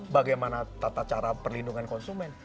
bagaimana tata cara perlindungan konsumen